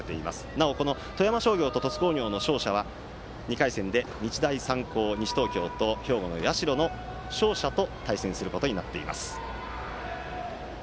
なお富山商業と鳥栖工業の勝者は２回戦で西東京の日大三高と兵庫の社の勝者と対戦することになっています。